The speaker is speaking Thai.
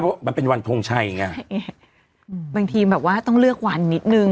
เพราะมันเป็นวันทงชัยไงอืมบางทีแบบว่าต้องเลือกวันนิดนึง